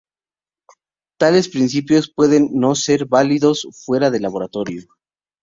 Tales principios pueden no ser válidos fuera del laboratorio.